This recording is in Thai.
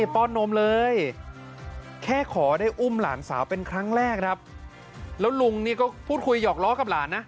ป้อนนมเลยแค่ขอได้อุ้มหลานสาวเป็นครั้งแรกครับแล้วลุงนี่ก็พูดคุยหยอกล้อกับหลานนะ